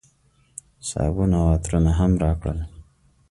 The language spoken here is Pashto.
صابون او عطرونه هم راکړل.